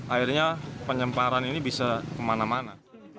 akhirnya penyemparan ini bisa kemana mana